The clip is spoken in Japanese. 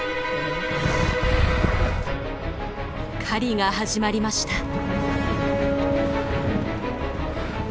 狩りが始まりました。